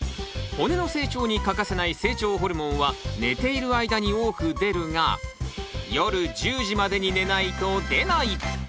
「骨の成長に欠かせない成長ホルモンは寝ている間に多く出るが夜１０時までに寝ないと出ない？」。